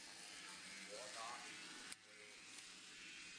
뭐가 궁금해요?